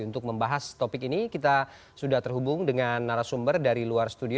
untuk membahas topik ini kita sudah terhubung dengan narasumber dari luar studio